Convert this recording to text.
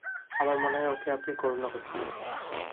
আমার মনে হয়, ওকে আপনি করুণা করতেন।